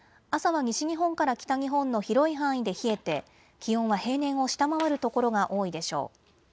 朝は西日本から北日本の広い範囲で冷えて気温は平年を下回る所が多いでしょう。